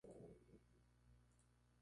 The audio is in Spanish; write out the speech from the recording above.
De ascendencia de la nobleza sajona.